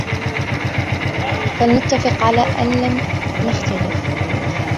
فالنتفق على أن نختلف.